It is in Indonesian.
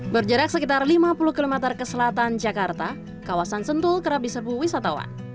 berjarak sekitar lima puluh km ke selatan jakarta kawasan sentul kerap diserbu wisatawan